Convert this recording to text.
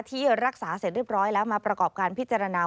ที่รักษาเสร็จเรียบร้อยแล้วมาประกอบการพิจารณา